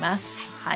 はい。